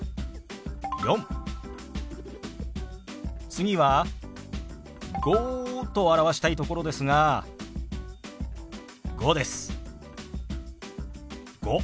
次は「５」と表したいところですが「５」です。